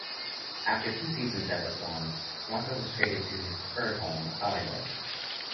After two seasons at the Swans, Rocca was traded to his preferred home, Collingwood.